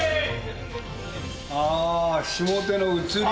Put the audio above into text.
ああ下手の映り。